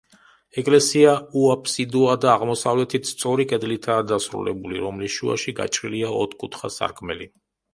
ეკლესია უაფსიდოა და აღმოსავლეთით სწორი კედლითაა დასრულებული, რომლის შუაში გაჭრილია ოთხკუთხა სარკმელი.